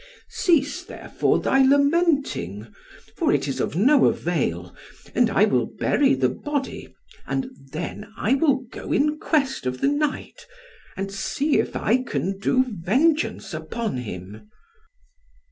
Cease, therefore, thy lamenting, for it is of no avail, and I will bury the body, and then I will go in quest of the knight, and see if I can do vengeance upon him."